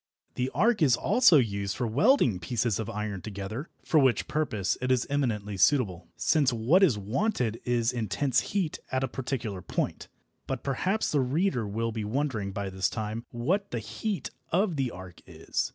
The arc is also used for welding pieces of iron together, for which purpose it is eminently suitable, since what is wanted is intense heat at a particular point. But perhaps the reader will be wondering by this time what the heat of the arc is.